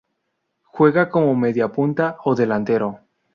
Juega como mediapunta o delantero.